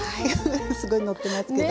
すごいのってますけど。